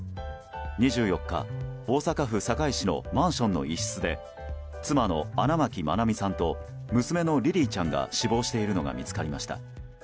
２４日、大阪府堺市のマンションの一室で妻の荒牧愛美さんと娘のリリィちゃんが死亡しているのが見つかりました。